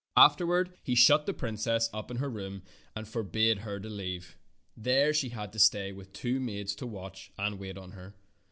Afterward he shut the princess up in her room and forbade her to leave it. There she had to stay with two maids to watch and wait on her.